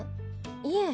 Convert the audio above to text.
「いえ」。